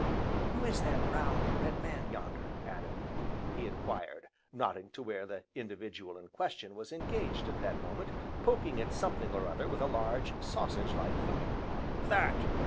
"Who is that round, red man, yonder, Adam?" he enquired, nodding to where the individual in question was engaged at that moment poking at something or other with a large, sausage like finger. "That!"